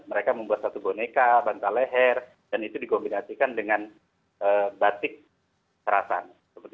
mereka membuat satu boneka bantal leher dan itu dikombinasikan dengan batik selatan